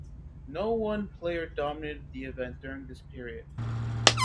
No one player dominated the event during this period.